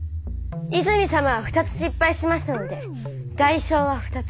泉様は「２つ」失敗しましたので代償は「２つ」。